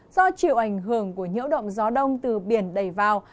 do chịu ảnh hưởng của nhiễu động gió đông từ biển đầy vào